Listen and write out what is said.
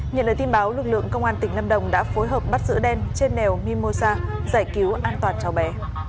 nhận lời tin báo lực lượng công an tỉnh lâm đồng đã phối hợp bắt giữ đen trên đèo mimosa giải cứu an toàn cháu bé